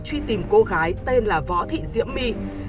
truy tìm cô gái tên là võ thị diễm my